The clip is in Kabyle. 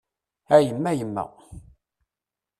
A yemma yemma!